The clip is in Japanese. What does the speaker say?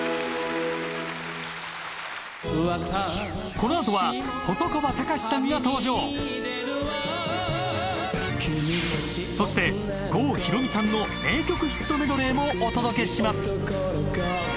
この後は細川たかしさんが登場そして郷ひろみさんの名曲ヒットメドレーもお届けします。